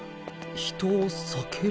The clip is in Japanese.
人を避ける？